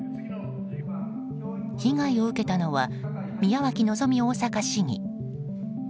被害を受けたのは宮脇希大阪市議。